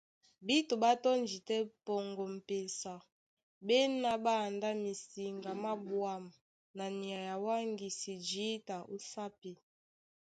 Bíto ɓá tɔ́ndi tɛ́ pɔŋgɔ m̀pesa, ɓá ená ɓá andá misiŋga má ɓwǎm̀ na nyay a wáŋgisi jǐta ó sápi.